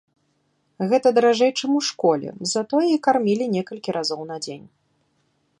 Гэта даражэй, чым у школе, затое і кармілі некалькі разоў на дзень.